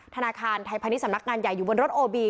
ธนาคารไทยพาณิชยสำนักงานใหญ่อยู่บนรถโอบี